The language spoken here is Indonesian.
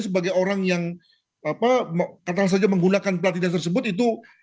sebagai orang yang katakan saja menggunakan plat dinas tersebut itu